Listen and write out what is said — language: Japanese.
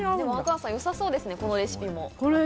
阿川さん、よさそうですね、このレシピも。